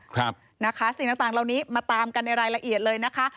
ครับนะคะสิ่งต่างเหล่านี้มาตามกันในรายละเอียดเลยนะคะ